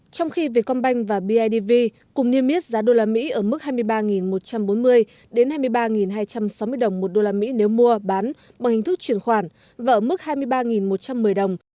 trong khi vietcombank và bidv cùng niêm yết giá đô la mỹ ở mức hai mươi ba một trăm bốn mươi hai mươi ba hai trăm sáu mươi đồng một đô la mỹ nếu mua bán bằng hình thức chuyển khoản và ở mức hai mươi ba một trăm một mươi đồng